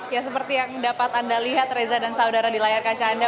ya seperti yang dapat anda lihat reza dan saudara di layar kaca anda